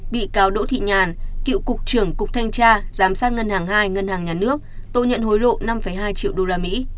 bị cáo đỗ thị nhàn cựu cục trưởng cục thanh tra giám sát ngân hàng hai ngân hàng nhà nước tội nhận hối lộ năm hai triệu usd